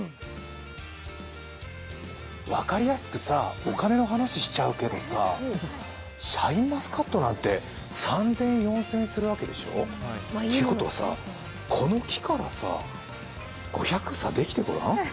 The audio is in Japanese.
分かりやすくお金の話、しちゃうけどさ、シャインマスカットなんて３０００円、４０００円するわけでしょ。ということはさ、この木からさ５００房できてごらん？